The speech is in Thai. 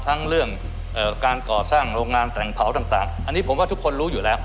ทั้งเรื่องการก่อสร้างโรงงานแต่งเผาต่างอันนี้ผมว่าทุกคนรู้อยู่แล้ว